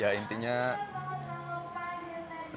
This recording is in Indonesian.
ya intinya saya harus menyelesaikan